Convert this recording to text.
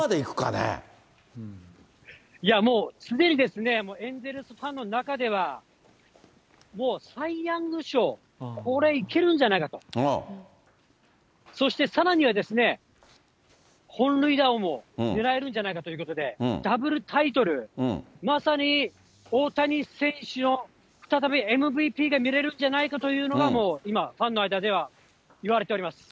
いやもう、すでにエンゼルスファンの中では、もうサイ・ヤング賞、これ、いけるんじゃないかと、そしてさらには、本塁打王も狙えるんじゃないかということで、ダブルタイトル、まさに大谷選手の再びＭＶＰが見れるんじゃないかというのが、もう今、ファンの間では言われております。